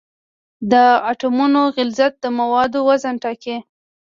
د اټومونو غلظت د موادو وزن ټاکي.